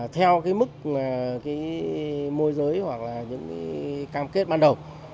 theo mức môi giới hoặc cam kết ban đầu